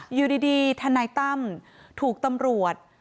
หยุดดีเทนต้ำถูกตำรวจ